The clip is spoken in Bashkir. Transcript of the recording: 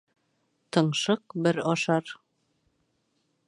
Тыңшыҡ бер ашар.